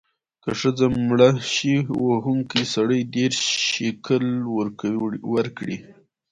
که ښځه مړه شي، وهونکی سړی دیرش شِکِل ورکړي.